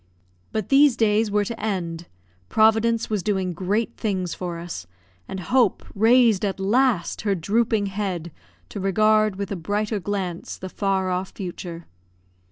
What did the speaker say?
But these days were to end; Providence was doing great things for us; and Hope raised at last her drooping head to regard with a brighter glance the far off future.